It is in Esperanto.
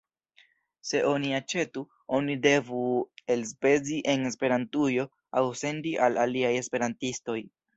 Se oni aĉetu, oni devu elspezi en Esperantujo aŭ sendi al aliaj esperantistoj.